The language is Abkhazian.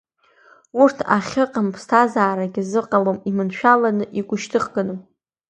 Урҭ ахьыҟам ԥсҭазаарагьы зыҟалом иманшәаланы, игәышьҭыхганы…